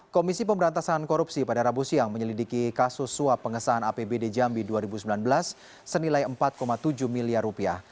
komisi pemberantasan korupsi pada rabu siang menyelidiki kasus suap pengesahan apbd jambi dua ribu sembilan belas senilai empat tujuh miliar rupiah